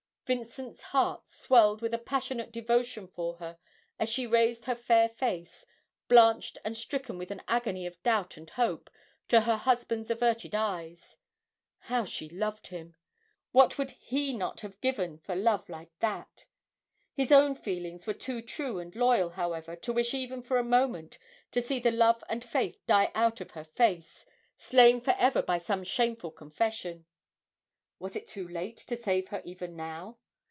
Vincent's heart swelled with a passionate devotion for her as she raised her fair face, blanched and stricken with an agony of doubt and hope, to her husband's averted eyes. How she loved him. What would he not have given for love like that? His own feelings were too true and loyal, however, to wish even for a moment to see the love and faith die out of her face, slain for ever by some shameful confession. Was it too late to save her even now?